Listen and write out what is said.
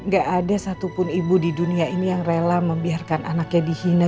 gak ada satupun ibu di dunia ini yang rela membiarkan anaknya dihina